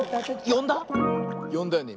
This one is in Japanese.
よんだよね？